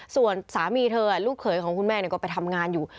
ส่วนสามีเธอลูกเขยของคุณแม่ก็ไปทำงานอยู่